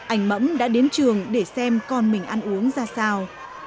anh mẫm đã đến trường để xem con mình ăn uống ra sao